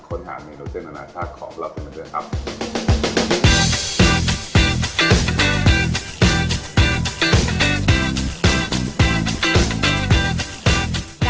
ค้นหาเมนูเส้นนานาชาติขอบรับทุกคนเจอ